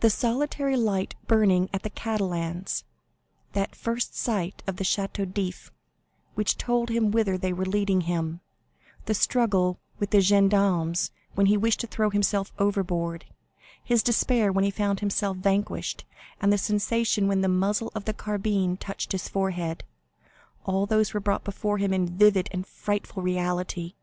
The solitary light burning at the Catalans; that first sight of the Château d'If, which told him whither they were leading him; the struggle with the gendarmes when he wished to throw himself overboard; his despair when he found himself vanquished, and the sensation when the muzzle of the carbine touched his forehead—all these were brought before him in vivid and frightful reality.